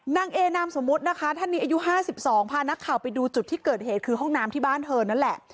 นางเอนามสมมุตินะคะท่านนี้อายุ๕๒พานักข่าวไปดูจุดที่เกิดเหตุคือห้องน้ำที่บ้านเธอนั่นแหละ